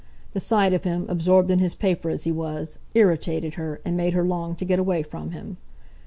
The sight of him, absorbed in his paper as he was, irritated her, and made her long to get away from him.